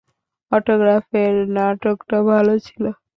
অটোগ্রাফের নাটকটা ভালো ছিলো।